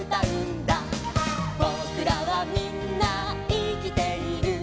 「ぼくらはみんないきている」